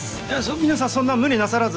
皆さんそんな無理なさらず。